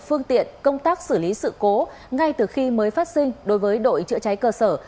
phương tiện công tác xử lý sự cố ngay từ khi mới phát sinh đối với đội chữa cháy cơ sở